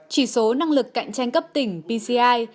chỉ số năng lực cạnh tranh cấp tỉnh pci